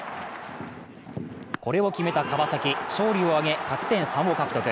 これを決めた川崎勝利を挙げ、勝ち点３を獲得。